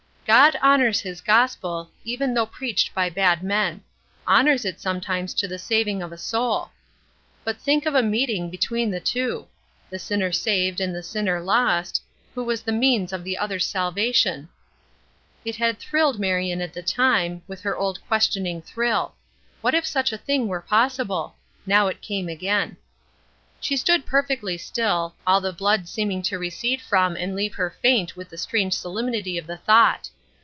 "God honors his gospel, even though preached by a bad man; honors it sometimes to the saving of a soul. But think of a meeting between the two! the sinner saved and the sinner lost, who was the means of the other's salvation." It had thrilled Marion at the time, with her old questioning thrill: What if such a thing were possible! Now it came again. She stood perfectly still, all the blood seeming to recede from and leave her faint with the strange solemnity of the thought!